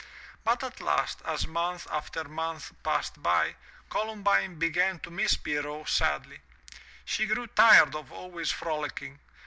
But at last, as month after month passed by, Columbine began to miss Pierrot sadly. She grew tired of always frolicking.